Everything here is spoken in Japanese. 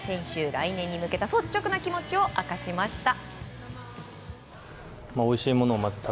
来年に向けた率直な気持ちを明かしました。